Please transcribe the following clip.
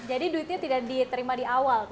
jadi duitnya tidak diterima di awal